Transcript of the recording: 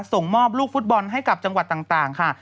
ส่งมอบลูกฟุตบอลให้กับจังหวัดต่างค่ะ